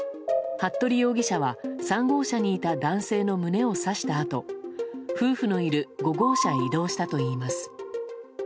服部容疑者は３号車にいた男性の胸を刺したあと夫婦のいる５号車に移動したといいます。